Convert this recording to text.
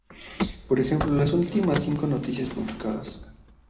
Por ejemplo, las últimas cinco noticias publicadas.